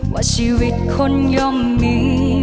ว่าชีวิตคนย่อมมี